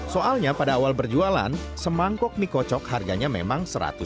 soalnya pada awal berjualan semangkok mie kocok harganya memang seratus